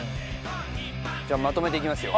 じゃあまとめていきますよ。